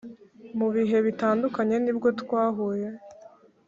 mu bihe bitandukanye nibwo twahuye